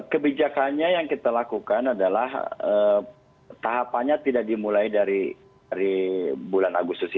kebijakannya yang kita lakukan adalah tahapannya tidak dimulai dari bulan agustus ini